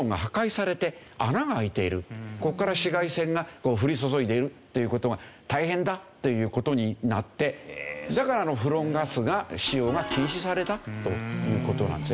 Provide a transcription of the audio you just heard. ここから紫外線が降り注いでいるという事が大変だという事になってだからフロンガスが使用が禁止されたという事なんですね。